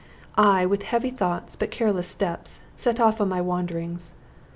I, with heavy thoughts but careless steps, set off on my wanderings.